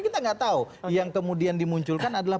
kita nggak tahu yang kemudian dimunculkan adalah